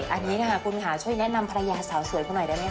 อันนี้ค่ะคุณค่ะช่วยแนะนำภรรยาสาวสวยเขาหน่อยได้ไหมค